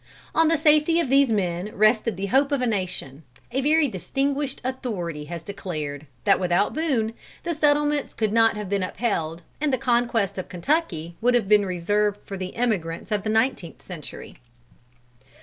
On the safety of these men rested the hope of a nation. A very distinguished authority has declared, that without Boone, the settlements could not have been upheld and the conquest of Kentucky would have been reserved for the emigrants of the nineteenth century."